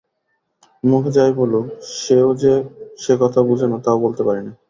মুখে যাই বলুক সেও যে সে কথা বোঝে না তাও বলতে পারি নে।